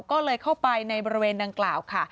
ก็เลยเข้าไปในบริเวณดังกล่าวค่ะ